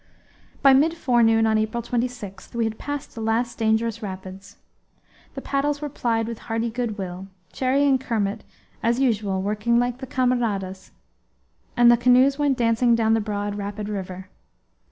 By mid forenoon on April 26 we had passed the last dangerous rapids. The paddles were plied with hearty good will, Cherrie and Kermit, as usual, working like the camaradas, and the canoes went dancing down the broad, rapid river.